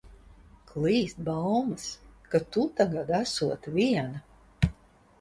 Klīst baumas, ka tu tagad esot viena.